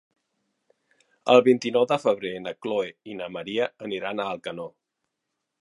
El vint-i-nou de febrer na Chloé i na Maria aniran a Alcanó.